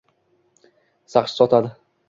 Saqich sotadi.